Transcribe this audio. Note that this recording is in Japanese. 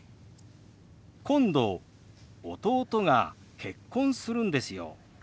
「今度弟が結婚するんですよ」。